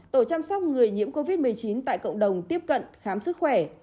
tổ chăm sóc người nhiễm covid một mươi chín tại cộng đồng tiếp cận khám sức khỏe